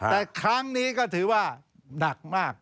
แต่ครั้งนี้ก็ถือว่าหนักมาก